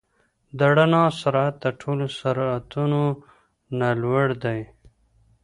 د رڼا سرعت د ټولو سرعتونو نه لوړ دی.